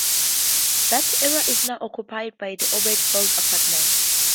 That area is now occupied by the Ebbets Field Apartments.